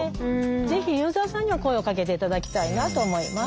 ぜひユーザーさんには声をかけて頂きたいなと思います。